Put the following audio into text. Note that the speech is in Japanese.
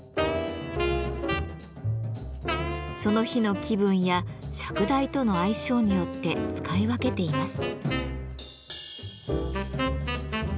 その日の気分や釈台との相性によって使い分けています。